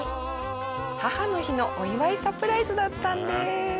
母の日のお祝いサプライズだったんです。